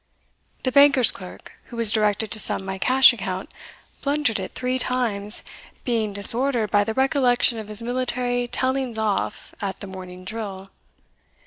The banker's clerk, who was directed to sum my cash account, blundered it three times, being disordered by the recollection of his military tellings off at the morning drill.